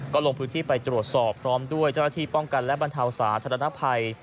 ก็ลงพื้นที่ไปตรวจสอบพร้อมด้วยเจ้าหน้าที่ป้องกันและบรรเทาสาธารณภัย